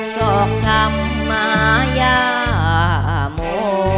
จอกช้ำมายาโม